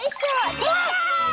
できた！